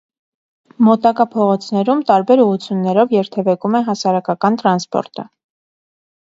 Մոտակա փողոցներում տարբեր ուղղություններով երթևեկում է հասարակական տրանսպորտը։